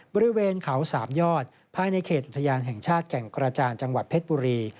บริเวณเขาสามยอดภายในเขตอุทยานแห่งชาติแก่งกระจานจังหวัดเพชรบุรี